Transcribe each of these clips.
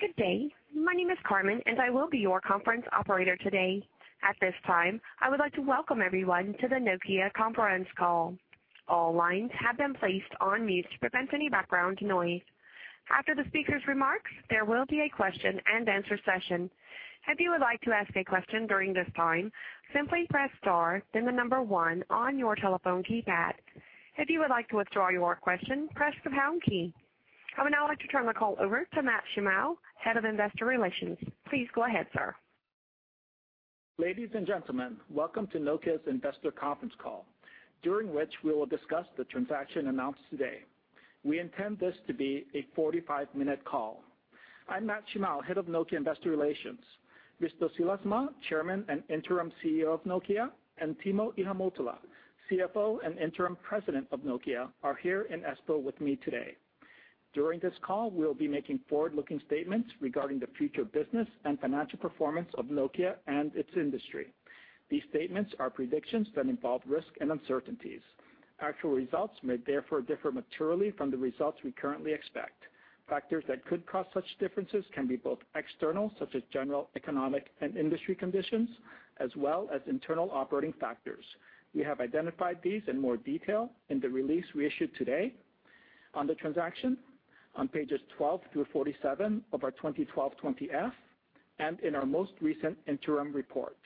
Good day! My name is Carmen, and I will be your conference operator today. At this time, I would like to welcome everyone to the Nokia conference call. All lines have been placed on mute to prevent any background noise. After the speaker's remarks, there will be a question-and-answer session. If you would like to ask a question during this time, simply press star then the number one on your telephone keypad. If you would like to withdraw your question, press the pound key. I would now like to turn the call over to Matt Shimao, Head of Investor Relations. Please go ahead, sir. Ladies and gentlemen, welcome to Nokia's investor conference call, during which we will discuss the transaction announced today. We intend this to be a 45-minute call. I'm Matt Shimao, Head of Nokia Investor Relations. Risto Siilasmaa, Chairman and Interim CEO of Nokia, and Timo Ihamuotila, CFO and Interim President of Nokia, are here in Espoo with me today. During this call, we'll be making forward-looking statements regarding the future business and financial performance of Nokia and its industry. These statements are predictions that involve risk and uncertainties. Actual results may therefore differ materially from the results we currently expect. Factors that could cause such differences can be both external, such as general, economic, and industry conditions, as well as internal operating factors. We have identified these in more detail in the release we issued today on the transaction on pages 12 through 47 of our 2012 20-F, and in our most recent interim report.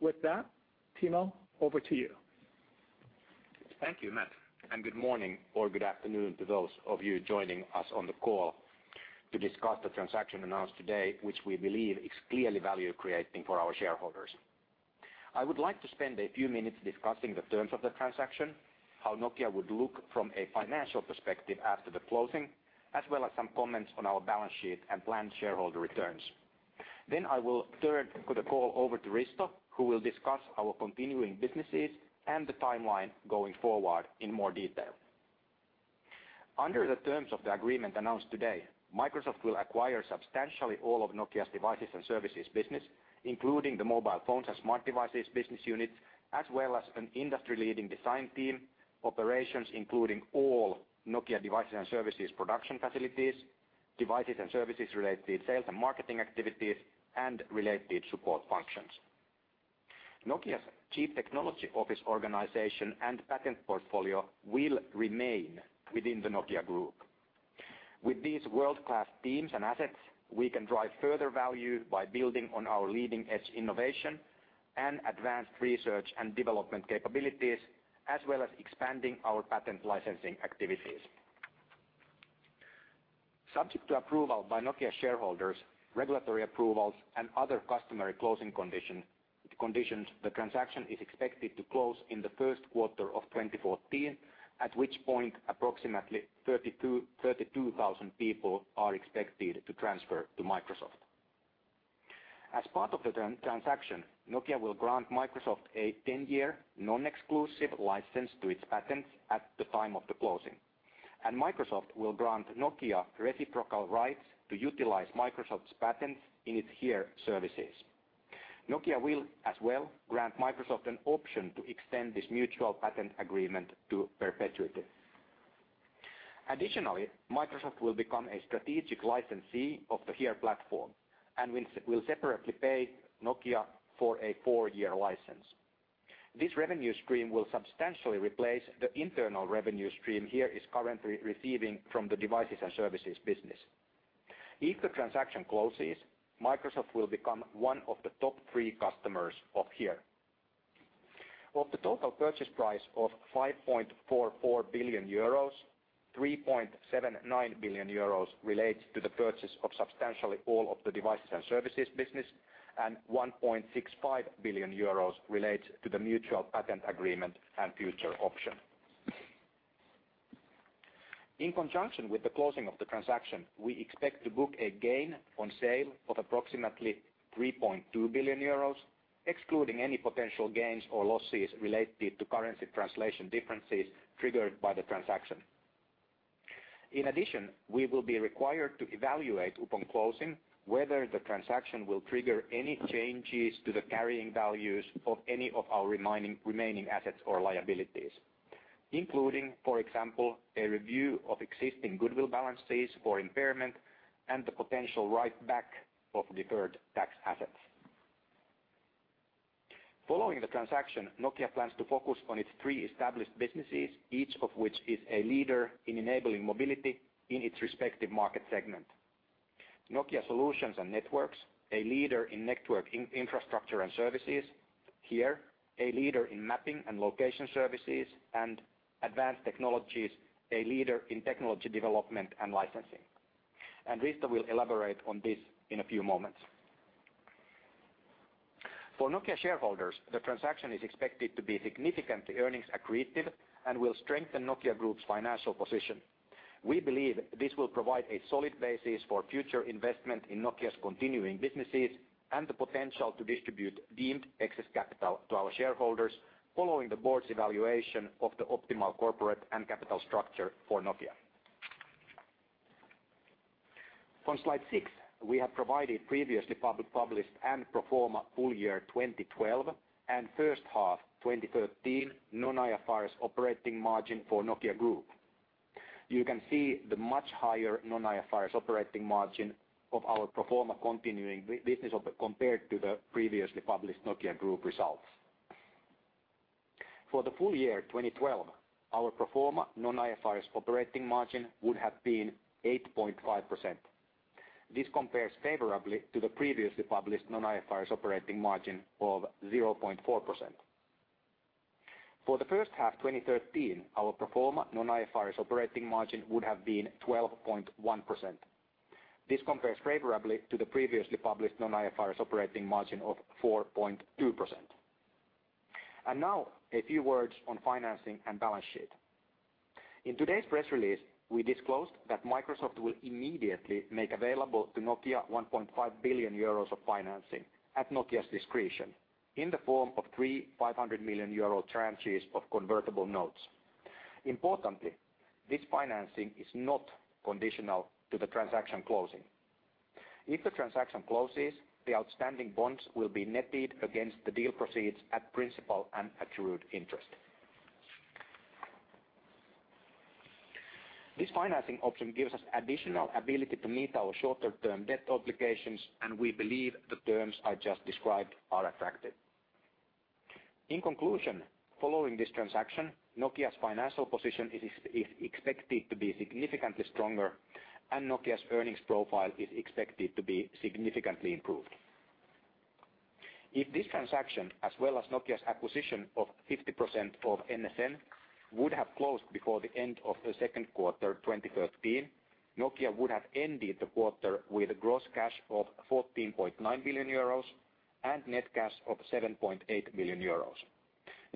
With that, Timo, over to you. Thank you, Matt, and good morning or good afternoon to those of you joining us on the call to discuss the transaction announced today, which we believe is clearly value-creating for our shareholders. I would like to spend a few minutes discussing the terms of the transaction, how Nokia would look from a financial perspective after the closing, as well as some comments on our balance sheet and planned shareholder returns. I will turn the call over to Risto, who will discuss our continuing businesses and the timeline going forward in more detail. Under the terms of the agreement announced today, Microsoft will acquire substantially all of Nokia's devices and services business, including the Mobile Phones and Smart Devices business units, as well as an industry-leading design team, operations, including all Nokia devices and services, production facilities, devices and services related sales and marketing activities, and related support functions. Nokia's chief technology officer organization and patent portfolio will remain within the Nokia group. With these world-class teams and assets, we can drive further value by building on our leading-edge innovation and advanced research and development capabilities, as well as expanding our patent licensing activities. Subject to approval by Nokia shareholders, regulatory approvals, and other customary closing conditions, the transaction is expected to close in the first quarter of 2014, at which point approximately 32,000 people are expected to transfer to Microsoft. As part of the transaction, Nokia will grant Microsoft a 10-year, non-exclusive license to its patents at the time of the closing, and Microsoft will grant Nokia reciprocal rights to utilize Microsoft's patents in its HERE services. Nokia will as well grant Microsoft an option to extend this mutual patent agreement to perpetuity. Additionally, Microsoft will become a strategic licensee of the HERE platform and will separately pay Nokia for a four-year license. This revenue stream will substantially replace the internal revenue stream HERE is currently receiving from the devices and services business. If the transaction closes, Microsoft will become one of the top three customers of HERE. Of the total purchase price of 5.44 billion euros, 3.79 billion euros relates to the purchase of substantially all of the devices and services business, and 1.65 billion euros relates to the mutual patent agreement and future option. In conjunction with the closing of the transaction, we expect to book a gain on sale of approximately 3.2 billion euros, excluding any potential gains or losses related to currency translation differences triggered by the transaction. In addition, we will be required to evaluate upon closing whether the transaction will trigger any changes to the carrying values of any of our remaining assets or liabilities, including, for example, a review of existing goodwill balances for impairment and the potential write back of deferred tax assets. Following the transaction, Nokia plans to focus on its three established businesses, each of which is a leader in enabling mobility in its respective market segment. Nokia Solutions and Networks, a leader in network infrastructure and services, HERE, a leader in mapping and location services, and Advanced Technologies, a leader in technology development and licensing. Risto will elaborate on this in a few moments. For Nokia shareholders, the transaction is expected to be significantly earnings accretive and will strengthen Nokia Group's financial position. We believe this will provide a solid basis for future investment in Nokia's continuing businesses and the potential to distribute deemed excess capital to our shareholders, following the board's evaluation of the optimal corporate and capital structure for Nokia. On slide six, we have provided previously publicly published and pro forma full year 2012 and first half 2013 non-IFRS operating margin for Nokia Group. You can see the much higher non-IFRS operating margin of our pro forma continuing business, compared to the previously published Nokia Group results. For the full year 2012, our pro forma non-IFRS operating margin would have been 8.5%. This compares favorably to the previously published non-IFRS operating margin of 0.4%. For the first half 2013, our pro forma non-IFRS operating margin would have been 12.1%. This compares favorably to the previously published non-IFRS operating margin of 4.2%. Now, a few words on financing and balance sheet. In today's press release, we disclosed that Microsoft will immediately make available to Nokia 1.5 billion euros of financing at Nokia's discretion, in the form of three 500 million euro tranches of convertible notes. Importantly, this financing is not conditional to the transaction closing. If the transaction closes, the outstanding bonds will be netted against the deal proceeds at principal and accrued interest. This financing option gives us additional ability to meet our shorter-term debt obligations, and we believe the terms I just described are attractive. In conclusion, following this transaction, Nokia's financial position is expected to be significantly stronger, and Nokia's earnings profile is expected to be significantly improved. If this transaction, as well as Nokia's acquisition of 50% of NSN, would have closed before the end of the second quarter, 2013, Nokia would have ended the quarter with gross cash of 14.9 billion euros and net cash of 7.8 billion euros.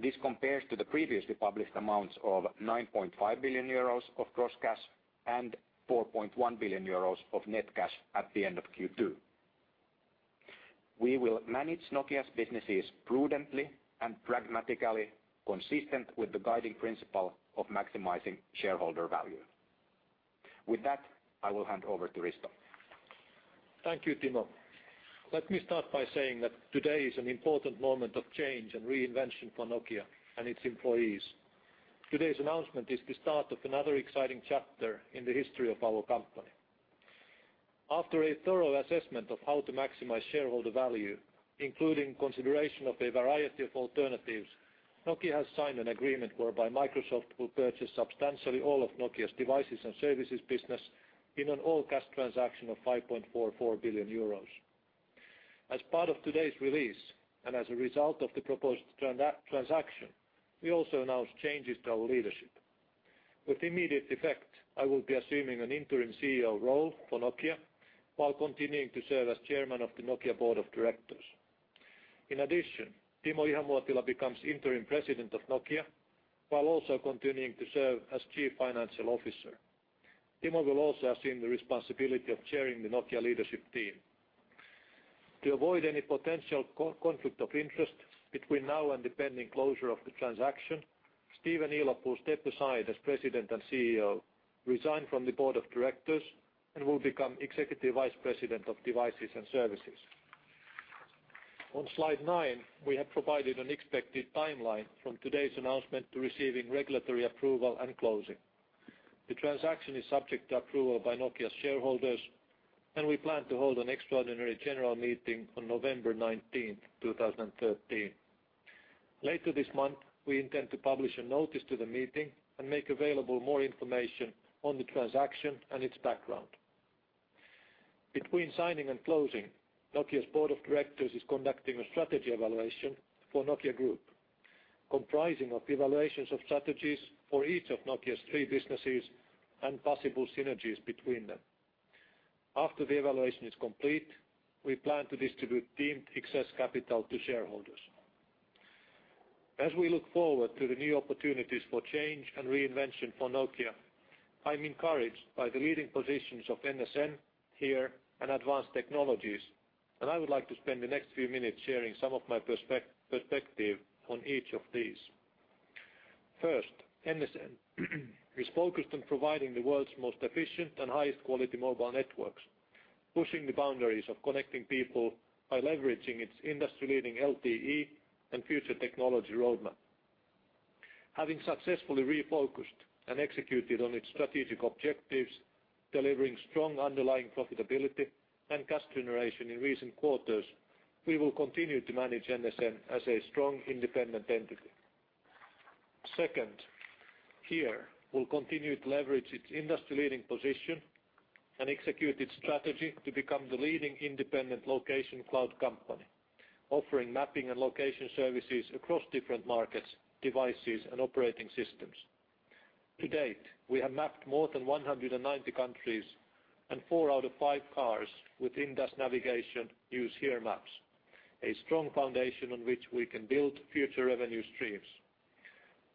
This compares to the previously published amounts of 9.5 billion euros of gross cash and 4.1 billion euros of net cash at the end of Q2. We will manage Nokia's businesses prudently and pragmatically, consistent with the guiding principle of maximizing shareholder value. With that, I will hand over to Risto. Thank you, Timo. Let me start by saying that today is an important moment of change and reinvention for Nokia and its employees. Today's announcement is the start of another exciting chapter in the history of our company. After a thorough assessment of how to maximize shareholder value, including consideration of a variety of alternatives, Nokia has signed an agreement whereby Microsoft will purchase substantially all of Nokia's Devices and Services business in an all-cash transaction of 5.44 billion euros. As part of today's release, and as a result of the proposed transaction, we also announce changes to our leadership. With immediate effect, I will be assuming an Interim CEO role for Nokia while continuing to serve as Chairman of the Nokia Board of Directors. In addition, Timo Ihamuotila becomes Interim President of Nokia, while also continuing to serve as Chief Financial Officer. Timo will also assume the responsibility of chairing the Nokia leadership team. To avoid any potential conflict of interest between now and the pending closure of the transaction, Steve Elop will step aside as President and CEO, resign from the Board of Directors, and will become Executive Vice President of Devices and Services. On slide nine, we have provided an expected timeline from today's announcement to receiving regulatory approval and closing. The transaction is subject to approval by Nokia's shareholders, and we plan to hold an extraordinary general meeting on November 19, 2013. Later this month, we intend to publish a notice to the meeting and make available more information on the transaction and its background. Between signing and closing, Nokia's Board of Directors is conducting a strategy evaluation for Nokia Group, comprising of evaluations of strategies for each of Nokia's three businesses and possible synergies between them. After the evaluation is complete, we plan to distribute deemed excess capital to shareholders. As we look forward to the new opportunities for change and reinvention for Nokia, I'm encouraged by the leading positions of NSN, HERE, and Advanced Technologies, and I would like to spend the next few minutes sharing some of my perspective on each of these. First, NSN is focused on providing the world's most efficient and highest quality mobile networks, pushing the boundaries of connecting people by leveraging its industry-leading LTE and future technology roadmap. Having successfully refocused and executed on its strategic objectives, delivering strong underlying profitability and cash generation in recent quarters, we will continue to manage NSN as a strong, independent entity. Second, HERE will continue to leverage its industry-leading position and execute its strategy to become the leading independent location cloud company, offering mapping and location services across different markets, devices, and operating systems. To date, we have mapped more than 190 countries, and four out of five cars with in-dash navigation use HERE Maps, a strong foundation on which we can build future revenue streams.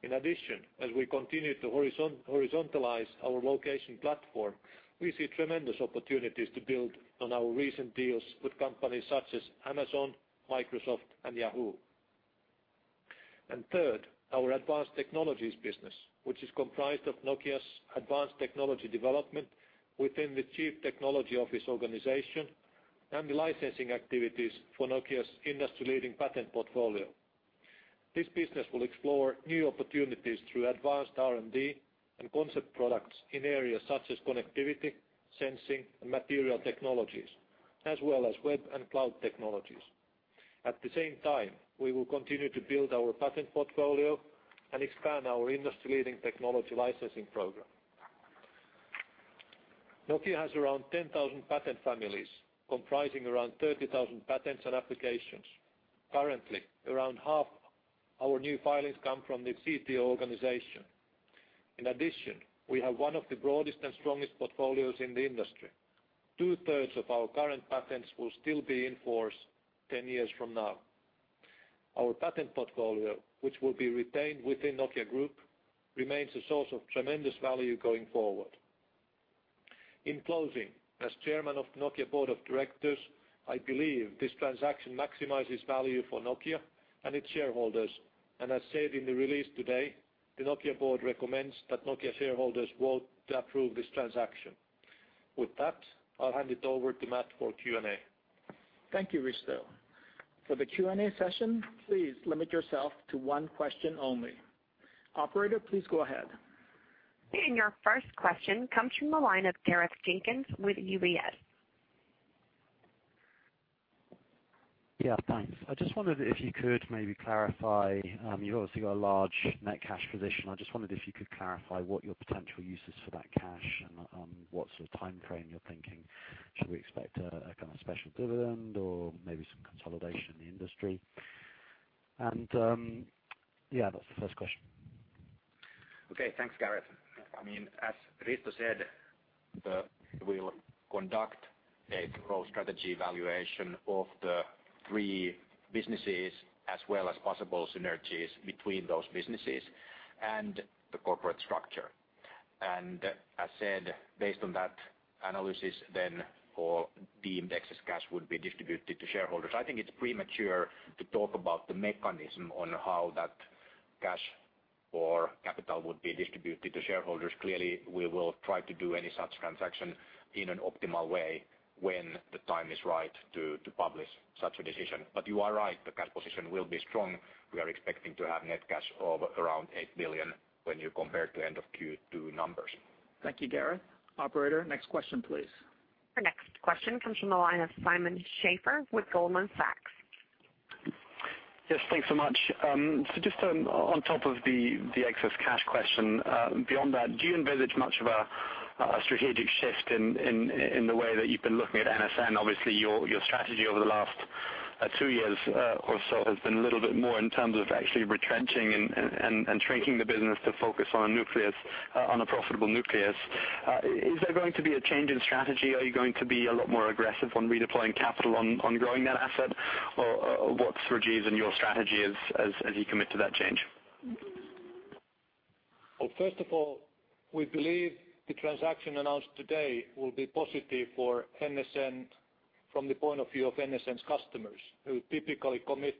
In addition, as we continue to horizontalize our location platform, we see tremendous opportunities to build on our recent deals with companies such as Amazon, Microsoft, and Yahoo! Third, our Advanced Technologies business, which is comprised of Nokia's advanced technology development within the Chief Technology Office organization and the licensing activities for Nokia's industry-leading patent portfolio. This business will explore new opportunities through advanced R&D and concept products in areas such as connectivity, sensing, and material technologies, as well as web and cloud technologies. At the same time, we will continue to build our patent portfolio and expand our industry-leading technology licensing program. Nokia has around 10,000 patent families, comprising around 30,000 patents and applications. Currently, around half our new filings come from the CTO organization. In addition, we have one of the broadest and strongest portfolios in the industry. 2/3 of our current patents will still be in force 10 years from now. Our patent portfolio, which will be retained within Nokia Group, remains a source of tremendous value going forward. In closing, as chairman of Nokia Board of Directors, I believe this transaction maximizes value for Nokia and its shareholders. As said in the release today, the Nokia board recommends that Nokia shareholders vote to approve this transaction. With that, I'll hand it over to Matt for Q&A. Thank you, Risto. For the Q&A session, please limit yourself to one question only. Operator, please go ahead. Your first question comes from the line of Gareth Jenkins with UBS. Yeah, thanks. I just wondered if you could maybe clarify. You've obviously got a large net cash position. I just wondered if you could clarify what your potential use is for that cash and what sort of time frame you're thinking. Should we expect a kind of special dividend or maybe some consolidation in the industry? Yeah, that's the first question. Okay, thanks, Gareth. I mean, as Risto said, we'll conduct a thorough strategy evaluation of the three businesses, as well as possible synergies between those businesses and the corporate structure. And as said, based on that analysis, then all the excess cash would be distributed to shareholders. I think it's premature to talk about the mechanism on how that cash or capital would be distributed to shareholders. Clearly, we will try to do any such transaction in an optimal way when the time is right to publish such a decision. But you are right, the cash position will be strong. We are expecting to have net cash of around 8 billion when you compare to end of Q2 numbers. Thank you, Gareth. Operator, next question, please. Our next question comes from the line of Simon Schafer with Goldman Sachs. Yes, thanks so much. So just, on top of the excess cash question, beyond that, do you envisage much of a strategic shift in the way that you've been looking at NSN? Obviously, your strategy over the last two years or so has been a little bit more in terms of actually retrenching and shrinking the business to focus on a nucleus, on a profitable nucleus. Is there going to be a change in strategy? Are you going to be a lot more aggressive on redeploying capital on growing that asset? Or, what's Rajiv's and your strategy as you commit to that change? Well, first of all, we believe the transaction announced today will be positive for NSN from the point of view of NSN's customers, who typically commit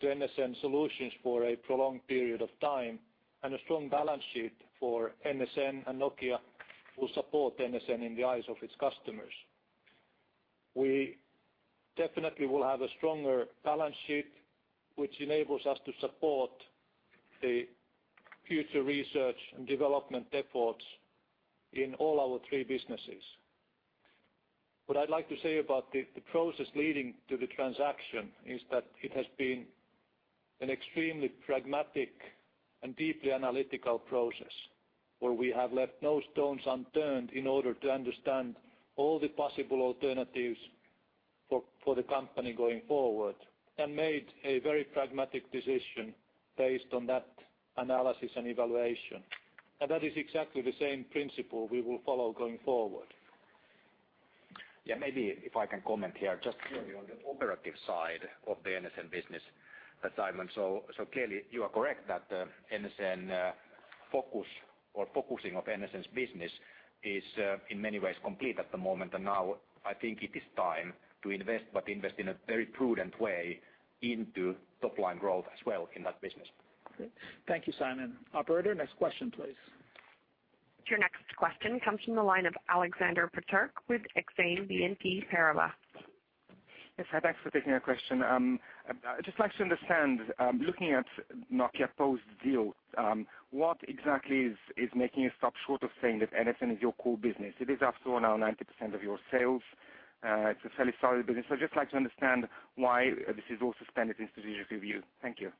to NSN solutions for a prolonged period of time, and a strong balance sheet for NSN and Nokia will support NSN in the eyes of its customers. We definitely will have a stronger balance sheet, which enables us to support the future research and development efforts in all our three businesses. What I'd like to say about the process leading to the transaction is that it has been an extremely pragmatic and deeply analytical process, where we have left no stones unturned in order to understand all the possible alternatives for the company going forward, and made a very pragmatic decision based on that analysis and evaluation. And that is exactly the same principle we will follow going forward. Yeah, maybe if I can comment here, just clearly on the operative side of the NSN business, Simon. So, so clearly, you are correct that, NSN, focus or focusing of NSN's business is, in many ways complete at the moment. And now I think it is time to invest, but invest in a very prudent way into top-line growth as well in that business. Great. Thank you, Simon. Operator, next question, please. Your next question comes from the line of Alexander Peterc with Exane BNP Paribas. Yes, hi, thanks for taking our question. I'd just like to understand, looking at Nokia post-deal, what exactly is making you stop short of saying that NSN is your core business? It is after all now 90% of your sales. It's a fairly solid business. So I'd just like to understand why this is all suspended into review. Thank you.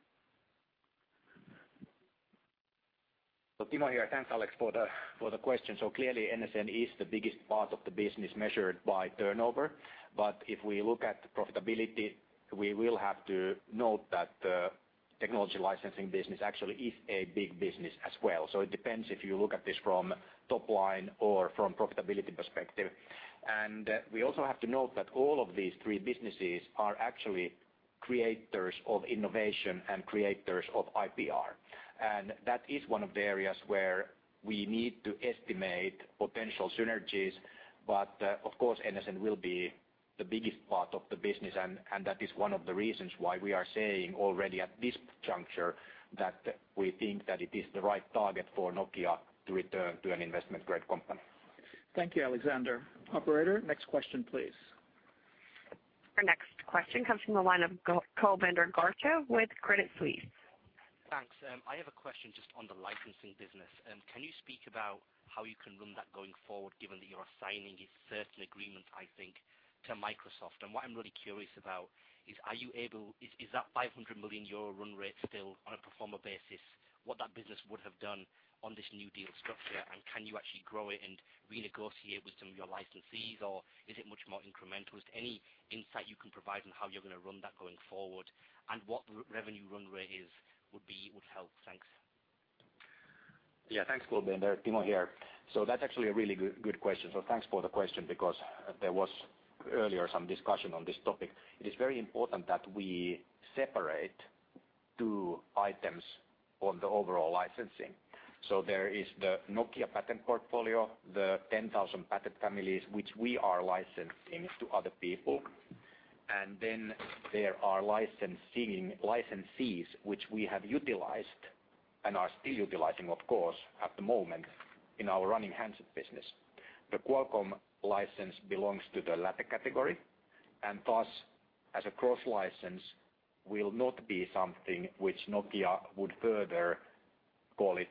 So Timo here. Thanks, Alex, for the question. So clearly, NSN is the biggest part of the business measured by turnover. But if we look at the profitability, we will have to note that the technology licensing business actually is a big business as well. So it depends if you look at this from top line or from profitability perspective. And we also have to note that all of these three businesses are actually creators of innovation and creators of IPR. And that is one of the areas where we need to estimate potential synergies. But, of course, NSN will be the biggest part of the business, and that is one of the reasons why we are saying already at this juncture that we think that it is the right target for Nokia to return to an investment-grade company. Thank you, Alexander. Operator, next question, please. Our next question comes from the line of Kulbinder Garcha with Credit Suisse. Thanks. I have a question just on the licensing business. Can you speak about how you can run that going forward, given that you're assigning a certain agreement, I think, to Microsoft? And what I'm really curious about is that 500 million euro run rate still on a pro forma basis, what that business would have done on this new deal structure? And can you actually grow it and renegotiate with some of your licensees, or is it much more incremental? Just any insight you can provide on how you're gonna run that going forward and what revenue run rate is would help. Thanks. Yeah, thanks, Kulbinder. Timo here. So that's actually a really good, good question. So thanks for the question because there was earlier some discussion on this topic. It is very important that we separate two items on the overall licensing. So there is the Nokia patent portfolio, the 10,000 patent families, which we are licensing to other people. And then there are licensing licensees which we have utilized and are still utilizing, of course, at the moment in our running handset business. The Qualcomm license belongs to the latter category, and thus, as a cross license, will not be something which Nokia would further, call it,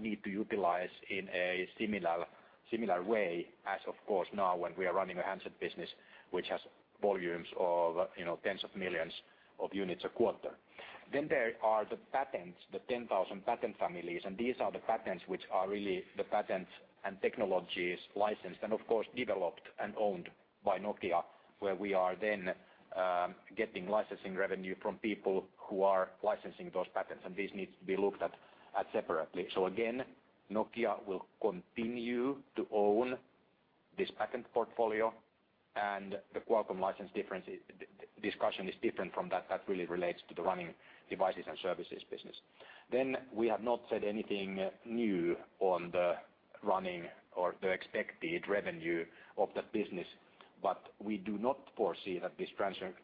need to utilize in a similar, similar way as of course now when we are running a handset business which has volumes of, you know, tens of millions of units a quarter. Then there are the patents, the 10,000 patent families, and these are the patents which are really the patents and technologies licensed and, of course, developed and owned by Nokia, where we are then getting licensing revenue from people who are licensing those patents, and this needs to be looked at separately. So again, Nokia will continue to own this patent portfolio, and the Qualcomm license difference discussion is different from that. That really relates to the running devices and services business. Then we have not said anything new on the running or the expected revenue of that business, but we do not foresee that this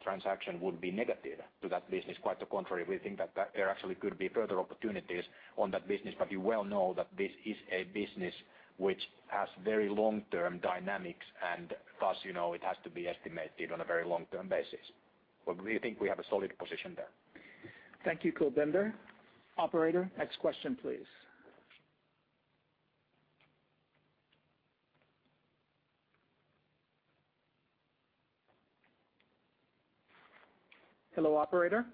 transaction would be negative to that business. Quite the contrary, we think that there actually could be further opportunities on that business, but you well know that this is a business which has very long-term dynamics, and thus, you know, it has to be estimated on a very long-term basis. But we think we have a solid position there. Thank you, Kulbinder. Operator, next question, please. Hello, operator?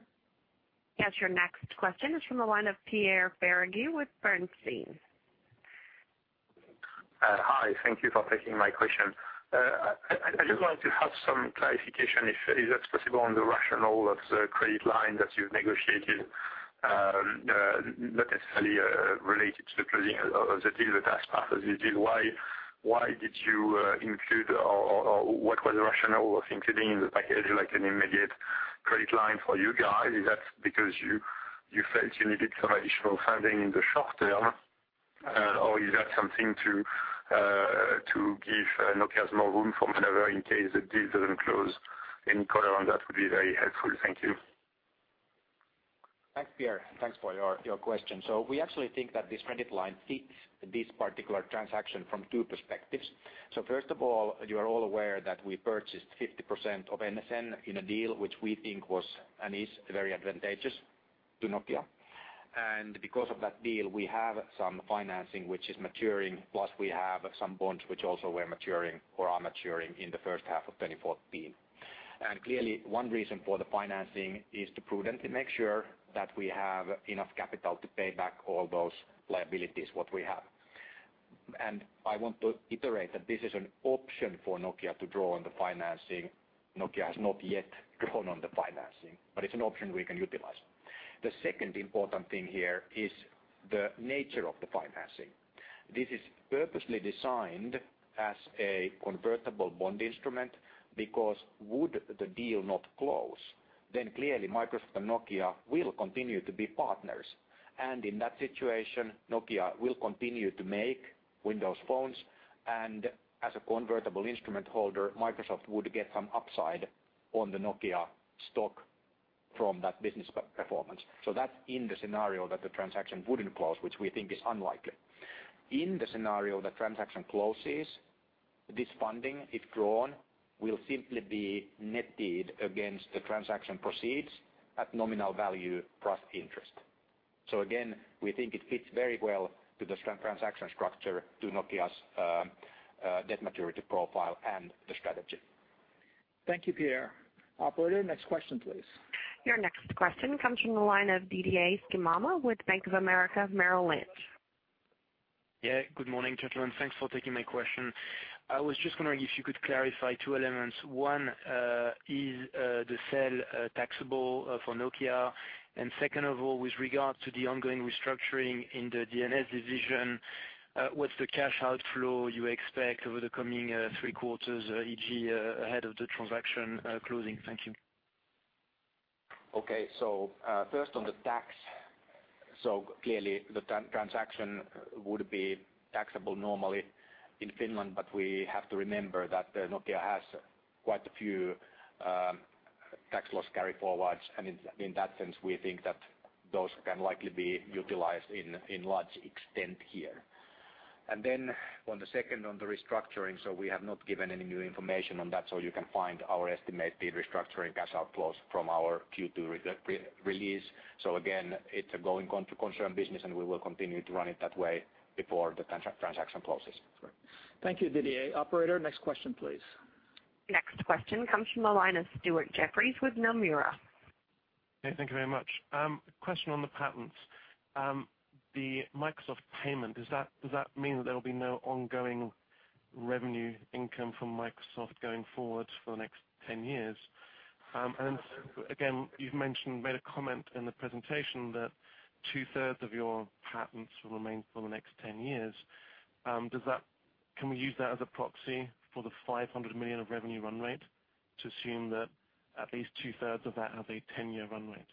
Yes, your next question is from the line of Pierre Ferragu with Bernstein. Hi, thank you for taking my question. I just wanted to have some clarification, if that's possible, on the rationale of the credit line that you've negotiated, not necessarily related to the closing of the deal, the cash part of the deal. Why did you include or what was the rationale of including in the package, like an immediate credit line for you guys? Is that because you felt you needed some additional funding in the short term, or is that something to give Nokia some more room for maneuver in case the deal doesn't close? Any color on that would be very helpful. Thank you. Thanks, Pierre. Thanks for your, your question. So we actually think that this credit line fits this particular transaction from two perspectives. So first of all, you are all aware that we purchased 50% of NSN in a deal which we think was and is very advantageous to Nokia. And because of that deal, we have some financing which is maturing, plus we have some bonds which also were maturing or are maturing in the first half of 2014. And clearly, one reason for the financing is to prudently make sure that we have enough capital to pay back all those liabilities, what we have. And I want to iterate that this is an option for Nokia to draw on the financing. Nokia has not yet drawn on the financing, but it's an option we can utilize. The second important thing here is the nature of the financing. This is purposely designed as a convertible bond instrument because would the deal not close, then clearly Microsoft and Nokia will continue to be partners. And in that situation, Nokia will continue to make Windows phones, and as a convertible instrument holder, Microsoft would get some upside on the Nokia stock from that business performance. So that's in the scenario that the transaction wouldn't close, which we think is unlikely. In the scenario the transaction closes, this funding, if drawn, will simply be netted against the transaction proceeds at nominal value plus interest. So again, we think it fits very well to the transaction structure, to Nokia's debt maturity profile and the strategy. Thank you, Pierre. Operator, next question, please. Your next question comes from the line of Didier Scemama with Bank of America Merrill Lynch. Yeah, good morning, gentlemen. Thanks for taking my question. I was just wondering if you could clarify two elements. One, is the sale taxable for Nokia? And second of all, with regard to the ongoing restructuring in the D&S division, what's the cash outflow you expect over the coming three quarters, e.g., ahead of the transaction closing? Thank you. Okay. So, first on the tax. So clearly, the transaction would be taxable normally in Finland, but we have to remember that Nokia has quite a few tax loss carry forwards, and in that sense, we think that those can likely be utilized in large extent here. And then on the second, on the restructuring, so we have not given any new information on that, so you can find our estimated restructuring cash outflows from our Q2 release. So again, it's a going concern business, and we will continue to run it that way before the transaction closes. Thank you, Didier. Operator, next question, please. Next question comes from the line of Stuart Jeffrey with Nomura. Hey, thank you very much. Question on the patents. The Microsoft payment, does that mean that there will be no ongoing revenue income from Microsoft going forward for the next 10 years? And again, you've mentioned, made a comment in the presentation that two-thirds of your patents will remain for the next 10 years. Does that—can we use that as a proxy for the 500 million of revenue run rate to assume that at least two-thirds of that have a 10-year run rate?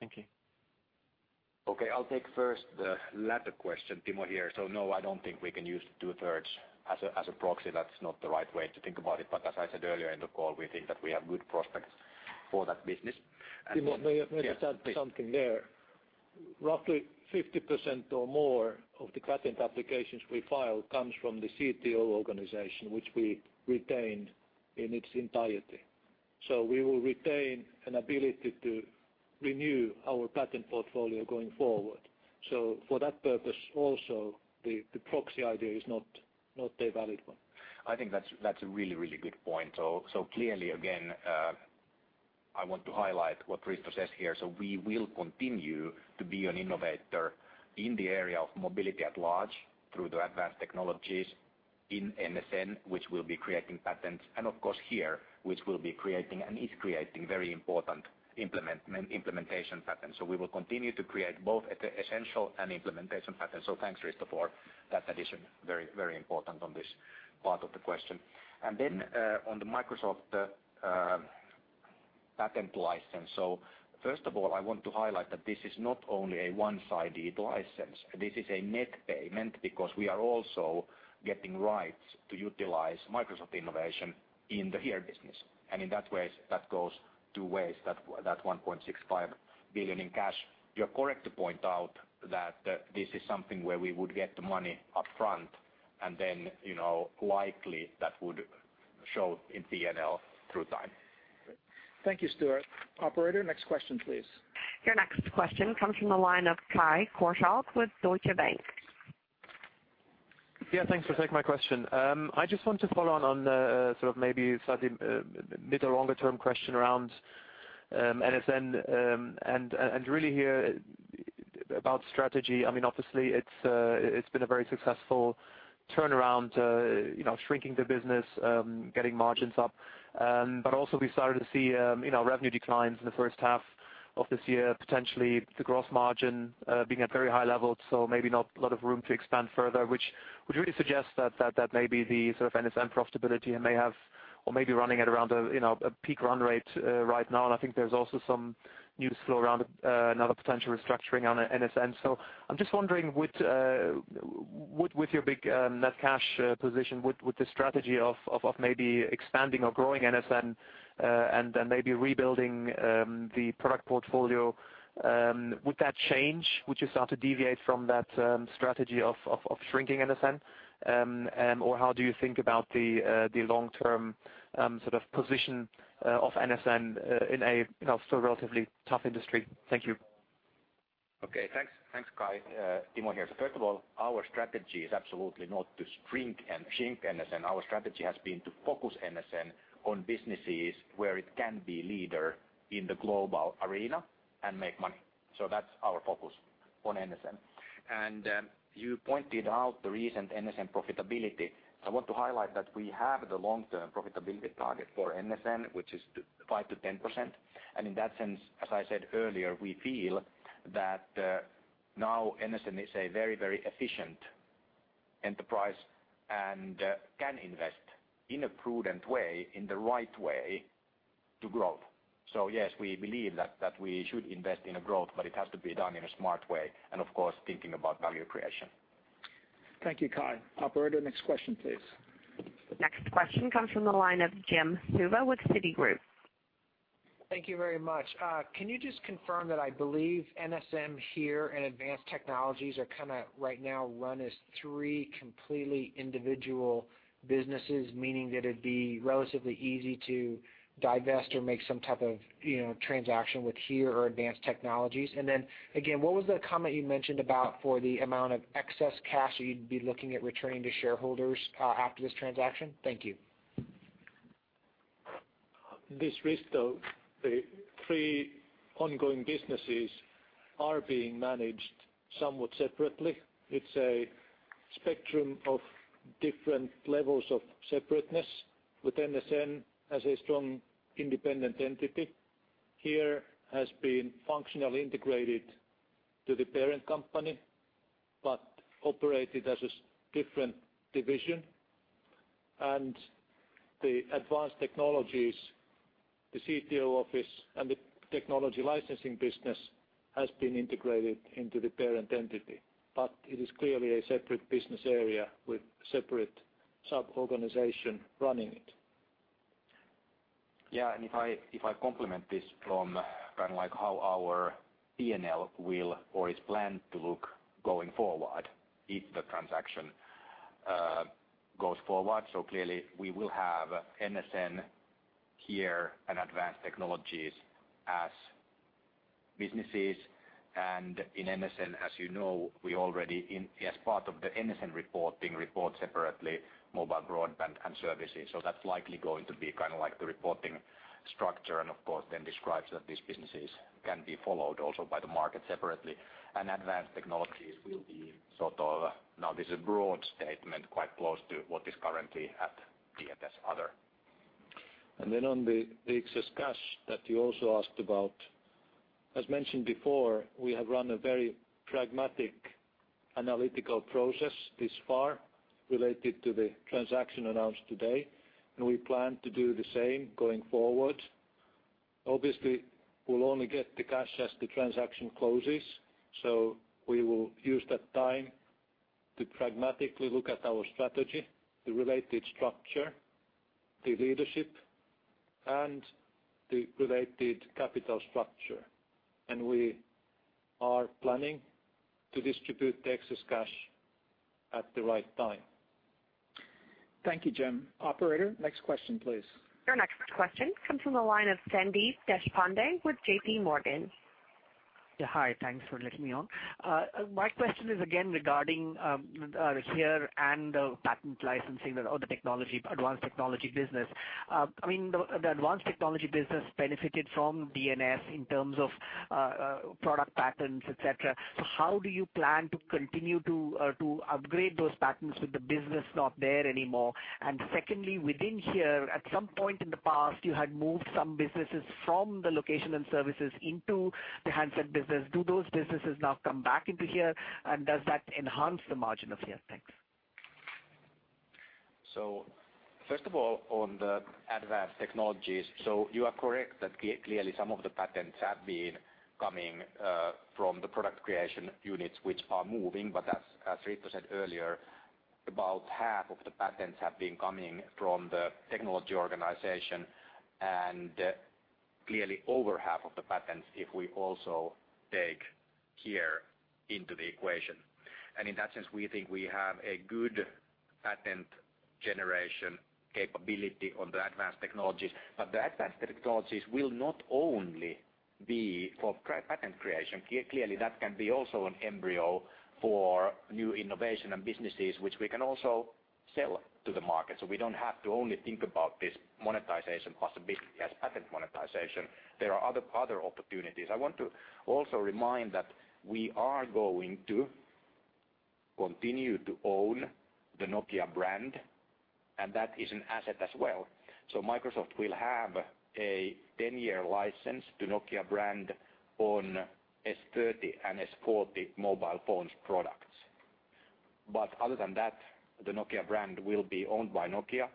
Thank you. Okay, I'll take first the latter question. Timo here. So no, I don't think we can use two-thirds as a proxy. That's not the right way to think about it. But as I said earlier in the call, we think that we have good prospects for that business. And- Timo, may I, may I just add something there? Yes, please. Roughly 50% or more of the patent applications we file comes from the CTO organization, which we retained in its entirety. So we will retain an ability to renew our patent portfolio going forward. So for that purpose, also, the proxy idea is not a valid one. I think that's, that's a really, really good point. So, so clearly, again, I want to highlight what Risto says here. So we will continue to be an innovator in the area of mobility at large through the Advanced Technologies in NSN, which will be creating patents, and of course, HERE, which will be creating and is creating very important implementation patents. So we will continue to create both at the essential and implementation patents. So thanks, Risto, for that addition. Very, very important on this part of the question. And then, on the Microsoft, patent license. So first of all, I want to highlight that this is not only a one-sided license. This is a net payment because we are also getting rights to utilize Microsoft innovation in the HERE business. In that way, that goes two ways, that, that 1.65 billion in cash. You're correct to point out that, this is something where we would get the money upfront and then, you know, likely that would show in P&L through time. Thank you, Stuart. Operator, next question, please. Your next question comes from the line of Kai Korschelt with Deutsche Bank. Yeah, thanks for taking my question. I just want to follow on the sort of maybe slightly middle longer-term question around NSN and really hear about strategy. I mean, obviously, it's been a very successful turnaround, you know, shrinking the business, getting margins up. But also we started to see, you know, revenue declines in the first half of this year, potentially the gross margin being at very high levels, so maybe not a lot of room to expand further, which would really suggest that maybe the sort of NSN profitability may have or may be running at around a, you know, a peak run rate right now. And I think there's also some news flow around another potential restructuring on NSN. So, I'm just wondering, with your big net cash position, with the strategy of maybe expanding or growing NSN, and then maybe rebuilding the product portfolio, would that change? Would you start to deviate from that strategy of shrinking NSN? Or how do you think about the long-term sort of position of NSN in a, you know, still relatively tough industry? Thank you. Okay, thanks. Thanks, Kai. Timo here. So first of all, our strategy is absolutely not to shrink and shrink NSN. Our strategy has been to focus NSN on businesses where it can be leader in the global arena and make money. So that's our focus on NSN. And you pointed out the recent NSN profitability. I want to highlight that we have the long-term profitability target for NSN, which is 5%-10%. And in that sense, as I said earlier, we feel that now NSN is a very, very efficient enterprise and can invest in a prudent way, in the right way to grow. So yes, we believe that we should invest in a growth, but it has to be done in a smart way, and of course, thinking about value creation. Thank you, Kai. Operator, next question, please. Next question comes from the line of Jim Suva with Citigroup. Thank you very much. Can you just confirm that I believe NSN, HERE, and Advanced Technologies are kind of right now run as three completely individual businesses, meaning that it'd be relatively easy to divest or make some type of, you know, transaction with HERE or Advanced Technologies? And then, again, what was the comment you mentioned about for the amount of excess cash you'd be looking at returning to shareholders, after this transaction? Thank you. This, Risto, the three ongoing businesses are being managed somewhat separately. It's a spectrum of different levels of separateness, with NSN as a strong independent entity. HERE has been functionally integrated to the parent company, but operated as a different division. The Advanced Technologies, the CTO office, and the technology licensing business has been integrated into the parent entity, but it is clearly a separate business area with separate sub-organization running it. Yeah, and if I complement this from kind of like how our P&L will or is planned to look going forward, if the transaction goes forward. So clearly, we will have NSN, HERE, and Advanced Technologies as businesses. And in NSN, as you know, we already as part of the NSN reporting, report separately mobile broadband and services. So that's likely going to be kind of like the reporting structure, and of course, then describes that these businesses can be followed also by the market separately. And Advanced Technologies will be sort of, now, this is a broad statement, quite close to what is currently at D&S Other. And then on the excess cash that you also asked about, as mentioned before, we have run a very pragmatic analytical process this far related to the transaction announced today, and we plan to do the same going forward. Obviously, we'll only get the cash as the transaction closes, so we will use that time to pragmatically look at our strategy, the related structure, the leadership, and the related capital structure. And we are planning to distribute the excess cash at the right time. Thank you, Jim. Operator, next question, please. Your next question comes from the line of Sandeep Deshpande with JPMorgan. Yeah, hi, thanks for letting me on. My question is again, regarding, our HERE and the patent licensing or the technology, advanced technology business. I mean, the, the advanced technology business benefited from D&S in terms of, product patents, etc. So how do you plan to continue to, to upgrade those patents with the business not there anymore? And secondly, within HERE, at some point in the past, you had moved some businesses from the location and services into the handset business. Do those businesses now come back into HERE, and does that enhance the margin of HERE? Thanks. So first of all, on the Advanced Technologies, so you are correct that clearly, some of the patents have been coming from the product creation units, which are moving. But as Risto said earlier, about half of the patents have been coming from the technology organization, and clearly, over half of the patents, if we also take HERE into the equation. And in that sense, we think we have a good patent generation capability on the Advanced Technologies. But the Advanced Technologies will not only be for patent creation. Clearly, that can be also an embryo for new innovation and businesses, which we can also sell to the market. So we don't have to only think about this monetization possibility as patent monetization. There are other opportunities. I want to also remind that we are going to continue to own the Nokia brand, and that is an asset as well. So Microsoft will have a 10-year license to Nokia brand on S30 and S40 mobile phones products. But other than that, the Nokia brand will be owned by Nokia.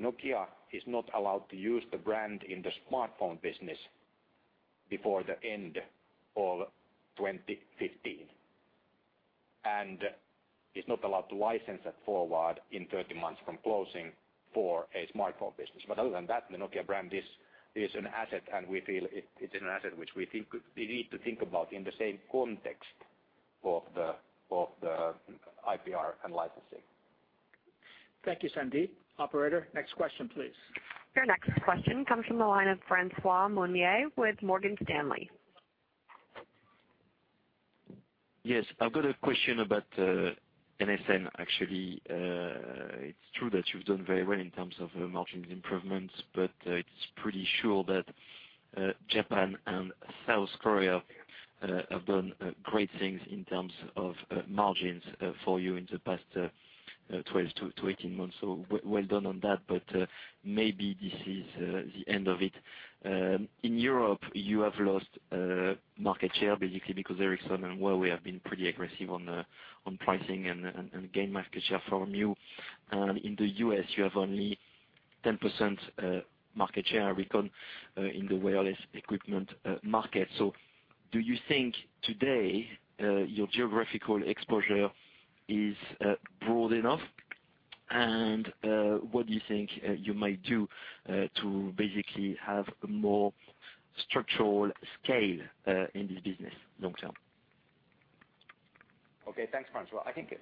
Nokia is not allowed to use the brand in the smartphone business before the end of 2015, and it's not allowed to license that forward in 30 months from closing for a smartphone business. But other than that, the Nokia brand is, is an asset, and we feel it, it is an asset which we think we need to think about in the same context of the, of the IPR and licensing. Thank you, Sandeep. Operator, next question, please. Your next question comes from the line of Francois Meunier with Morgan Stanley. Yes, I've got a question about NSN, actually. It's true that you've done very well in terms of margins improvements, but it's pretty sure that Japan and South Korea have done great things in terms of margins for you in the past 12-20 months. So well done on that, but maybe this is the end of it. In Europe, you have lost market share, basically because Ericsson and Huawei have been pretty aggressive on pricing and gain market share from you. And in the U.S., you have only 10% market share, I reckon, in the wireless equipment market. So do you think today your geographical exposure is broad enough? What do you think you might do to basically have a more structural scale in this business long term? Okay. Thanks, Francois. I think,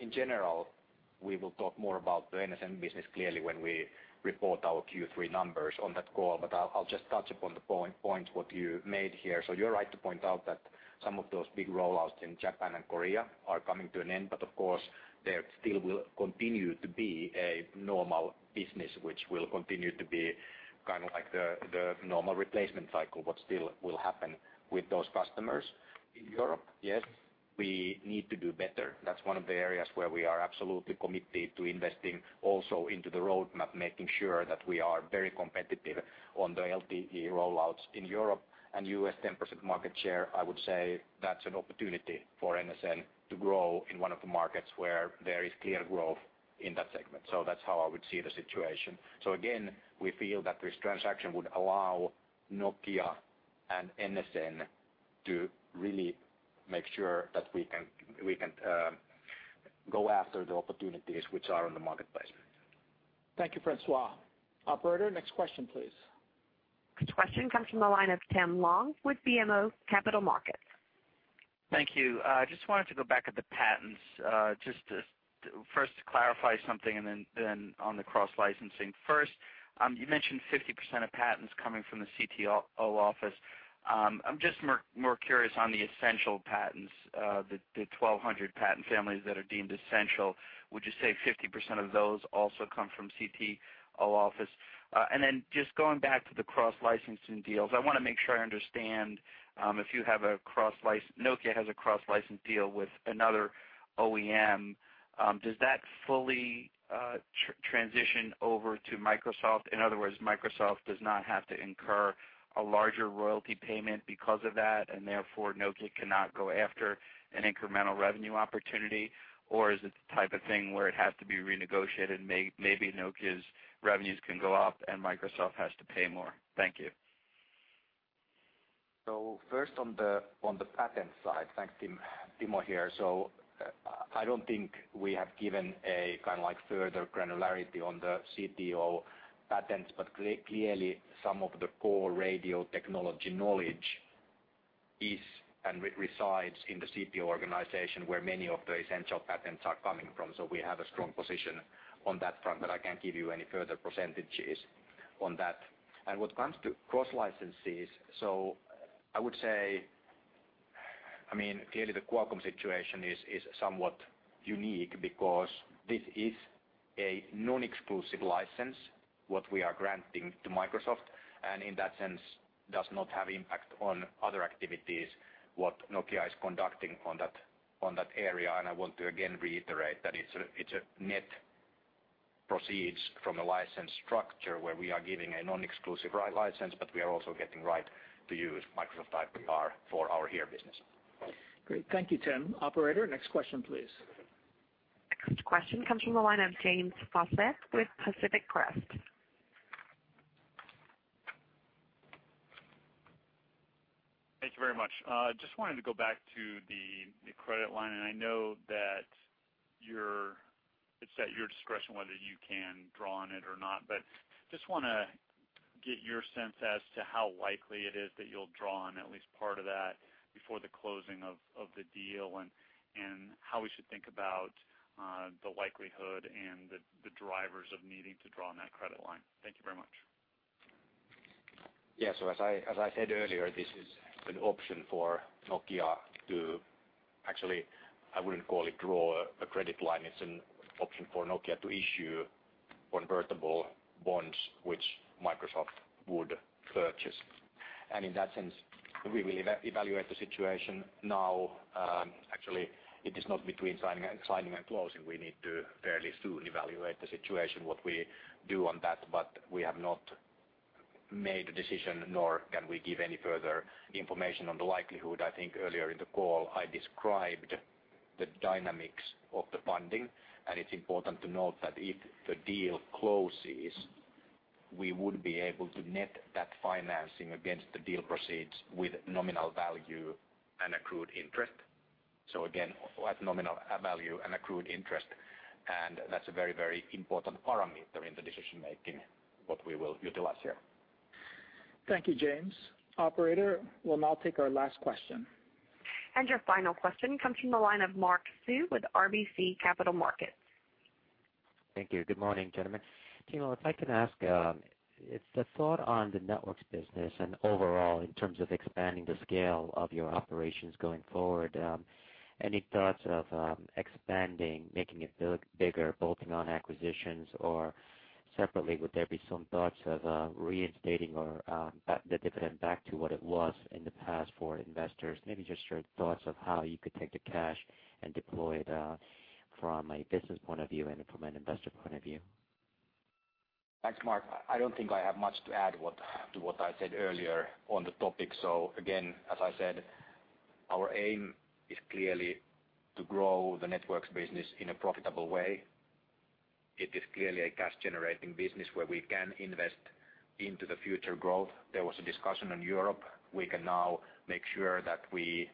in general, we will talk more about the NSN business clearly when we report our Q3 numbers on that call, but I'll just touch upon the point what you made here. So you're right to point out that some of those big rollouts in Japan and Korea are coming to an end, but of course, there still will continue to be a normal business which will continue to be kind of like the normal replacement cycle, what still will happen with those customers. In Europe, yes, we need to do better. That's one of the areas where we are absolutely committed to investing also into the roadmap, making sure that we are very competitive on the LTE rollouts in Europe and U.S. 10% market share. I would say that's an opportunity for NSN to grow in one of the markets where there is clear growth in that segment. So that's how I would see the situation. So again, we feel that this transaction would allow Nokia and NSN to really make sure that we can, we can, go after the opportunities which are in the market placement. Thank you, Francois. Operator, next question, please. Next question comes from the line of Tim Long with BMO Capital Markets. Thank you. I just wanted to go back at the patents, just to, first, to clarify something and then on the cross-licensing. First, you mentioned 50% of patents coming from the CTO office. I'm just more curious on the essential patents, the 1,200 patent families that are deemed essential. Would you say 50% of those also come from CTO office? And then just going back to the cross-licensing deals, I wanna make sure I understand, if you have a cross-license—Nokia has a cross-license deal with another OEM, does that fully transition over to Microsoft? In other words, Microsoft does not have to incur a larger royalty payment because of that, and therefore, Nokia cannot go after an incremental revenue opportunity? Or is it the type of thing where it has to be renegotiated, maybe Nokia's revenues can go up and Microsoft has to pay more? Thank you. So first, on the patent side, thanks, Tim. Timo here. So I don't think we have given a kind of like further granularity on the CTO patents, but clearly, some of the core radio technology knowledge is and resides in the CTO organization, where many of the essential patents are coming from. So we have a strong position on that front, but I can't give you any further percentages on that. And when it comes to cross-licenses, so I would say, I mean, clearly, the Qualcomm situation is somewhat unique because this is a non-exclusive license, what we are granting to Microsoft, and in that sense, does not have impact on other activities, what Nokia is conducting on that, on that area. I want to again reiterate that it's a net proceeds from a license structure where we are giving a non-exclusive license, but we are also getting right to use Microsoft IPR for our HERE business. Great. Thank you, Tim. Operator, next question, please. Next question comes from the line of James Faucette with Pacific Crest. Thank you very much. Just wanted to go back to the credit line, and I know that you're, it's at your discretion whether you can draw on it or not. But just wanna get your sense as to how likely it is that you'll draw on at least part of that before the closing of the deal, and how we should think about the likelihood and the drivers of needing to draw on that credit line. Thank you very much. Yeah. So as I said earlier, this is an option for Nokia to actually, I wouldn't call it draw a credit line. It's an option for Nokia to issue convertible bonds, which Microsoft would purchase. And in that sense, we will evaluate the situation now, actually, it is not between signing and closing. We need to fairly soon evaluate the situation, what we do on that, but we have not made a decision, nor can we give any further information on the likelihood. I think earlier in the call, I described the dynamics of the funding, and it's important to note that if the deal closes, we would be able to net that financing against the deal proceeds with nominal value and accrued interest. So again, at nominal value and accrued interest, and that's a very, very important parameter in the decision-making, what we will utilize here. Thank you, James. Operator, we'll now take our last question. Your final question comes from the line of Mark Sue with RBC Capital Markets. Thank you. Good morning, gentlemen. Timo, if I can ask, it's the thought on the networks business and overall, in terms of expanding the scale of your operations going forward, any thoughts of expanding, making it bigger, bolting on acquisitions? Or separately, would there be some thoughts of reinstating or the dividend back to what it was in the past for investors? Maybe just your thoughts of how you could take the cash and deploy it from a business point of view and from an investor point of view. Thanks, Mark. I don't think I have much to add to what I said earlier on the topic. So again, as I said, our aim is clearly to grow the networks business in a profitable way. It is clearly a cash-generating business, where we can invest into the future growth. There was a discussion on Europe. We can now make sure that we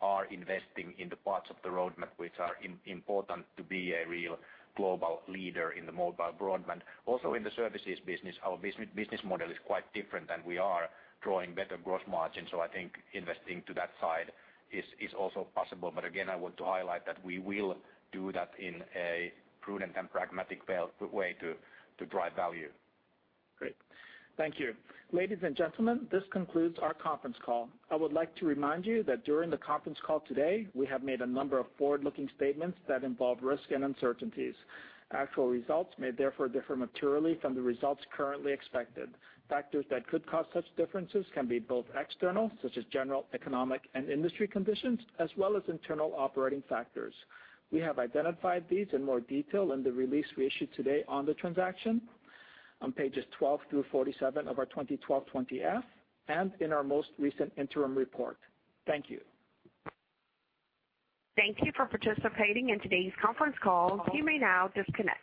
are investing in the parts of the roadmap which are important to be a real global leader in the mobile broadband. Also, in the services business, our business model is quite different, and we are drawing better gross margins, so I think investing to that side is also possible. But again, I want to highlight that we will do that in a prudent and pragmatic way to drive value. Great. Thank you. Ladies and gentlemen, this concludes our conference call. I would like to remind you that during the conference call today, we have made a number of forward-looking statements that involve risk and uncertainties. Actual results may therefore differ materially from the results currently expected. Factors that could cause such differences can be both external, such as general, economic, and industry conditions, as well as internal operating factors. We have identified these in more detail in the release we issued today on the transaction, on pages 12 through 47 of our 2012 20-F, and in our most recent interim report. Thank you. Thank you for participating in today's conference call. You may now disconnect.